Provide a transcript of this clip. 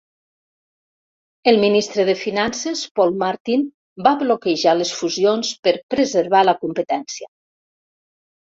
El ministre de Finances, Paul Martin, va bloquejar les fusions per preservar la competència.